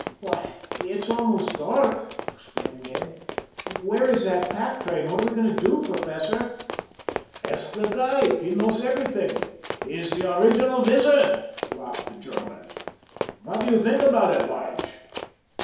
"Why, it's almost dark," exclaimed Ned. "Where is that pack train? What are we going to do, Professor?" "Ask the guide. He knows everything. He's the original wizard," laughed the German. "What do you think about it, Lige?"